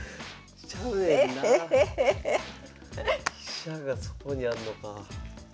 飛車がそこにあんのか。